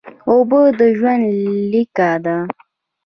اوبه د ژوند لیکه ده